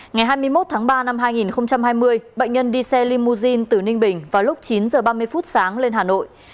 ngày hai mươi một tháng ba năm hai nghìn hai mươi bệnh nhân đi xe limousine từ ninh bình vào lúc chín h ba mươi phút sáng lên hà nội